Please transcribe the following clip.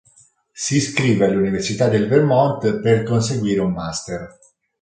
Si iscrive all'Università del Vermont per conseguire un Master.